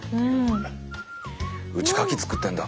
「うちカキ作ってんだ」